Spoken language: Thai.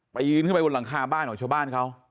ปีนขึ้นไปบนหลังคาบ้านของชาวบ้านเขา